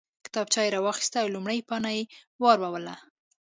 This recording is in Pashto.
کتابچه یې راواخیسته او لومړۍ پاڼه یې واړوله